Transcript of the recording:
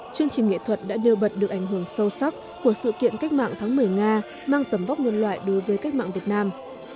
chương trình nghệ thuật đã nêu bật được ảnh hưởng sâu sắc của sự kiện cách mạng tháng một mươi nga mang tầm vóc nhân loại đối với cách mạng việt nam